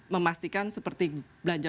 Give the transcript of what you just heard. memastikan seperti belanja